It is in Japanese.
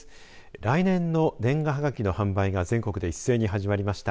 来年の年賀はがきの販売が全国で一斉に始まりました。